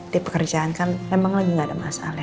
di pekerjaan kan memang lagi gaada masalah ya